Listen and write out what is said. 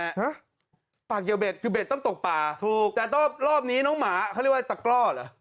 ฮะปากเกี่ยวเด็ดคือเบ็ดต้องตกป่าถูกแต่ต้องรอบนี้น้องหมาเขาเรียกว่าตะกร่อเหรอ